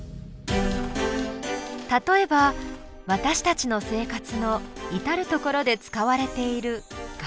例えば私たちの生活の至る所で使われているガラス。